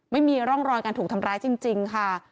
ไม่มีร่องรอยการถูกทำร้ายจริงค่ะ